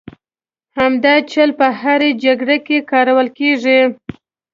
همدا چل په هرې جګړې کې کارول کېږي.